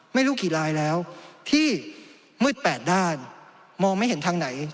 ไม่รู้กี่ลายแล้วที่มืดแปดด้านมองไม่เห็นทางไหน